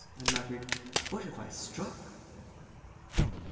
I muttered. "What have I struck?"